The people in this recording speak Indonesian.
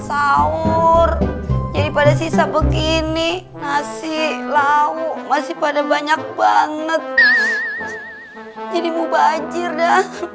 sahur jadi pada sisa begini nasi lauk masih pada banyak banget jadi mubajir dah